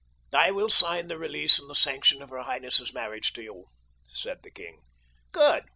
"I will sign the release and the sanction of her highness' marriage to you," said the king. "Good!"